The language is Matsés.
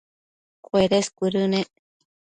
cuedes cuëdënec